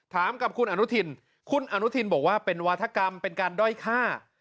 ถามกับคุณอนุทินคุณอนุทินบอกว่าเป็นวาธกรรมเป็นการด้อยฆ่า